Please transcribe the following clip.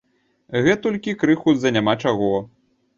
Гэтулькі крыку з-за няма чаго.